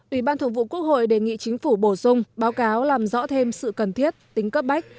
ủy ban thường vụ quốc hội đề nghị chính phủ bổ sung báo cáo làm rõ thêm sự cần thiết tính cấp bách